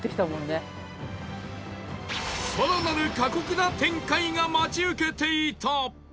更なる過酷な展開が待ち受けていた！